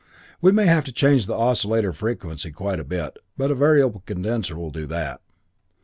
We may have to change the oscillator frequency quite a bit, but a variable condenser will do that.